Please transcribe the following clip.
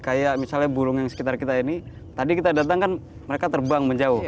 kayak misalnya burung yang sekitar kita ini tadi kita datang kan mereka terbang menjauh